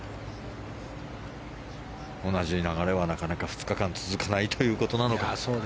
同じ流れは、なかなか２日間続かないということなのか。